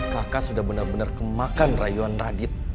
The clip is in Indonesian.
kakak sudah benar benar kemakan rayuan radit